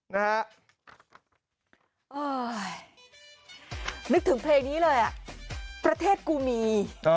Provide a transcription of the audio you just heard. นึกถึงเพลงนี้เลยอ่ะประเทศกูมี